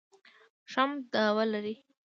ټرمپ دعوه لري